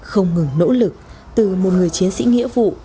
không ngừng nỗ lực từ một người chiến sĩ nghĩa vụ